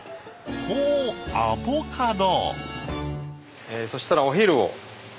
ほうアボカド。